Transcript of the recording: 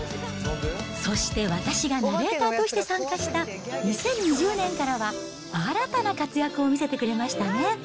そして、私がナレーターとして参加した２０２０年からは、新たな活躍を見せてくれましたね。